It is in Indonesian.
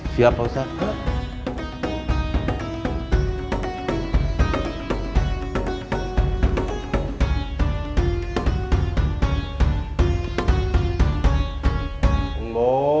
siap pak ustadz